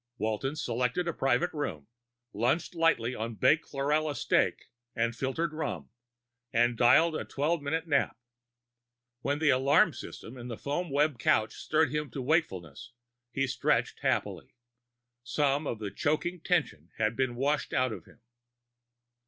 Walton selected a private room, lunched lightly on baked chlorella steak and filtered rum, and dialed a twelve minute nap. When the alarm system in the foamweb couch stirred him to wakefulness, he stretched happily, some of the choking tension having been washed out of him.